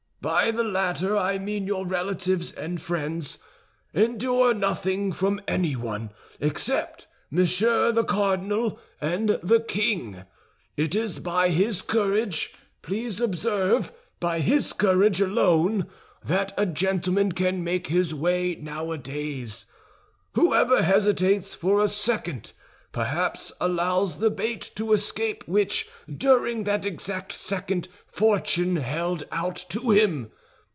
By the latter I mean your relatives and friends. Endure nothing from anyone except Monsieur the Cardinal and the king. It is by his courage, please observe, by his courage alone, that a gentleman can make his way nowadays. Whoever hesitates for a second perhaps allows the bait to escape which during that exact second fortune held out to him.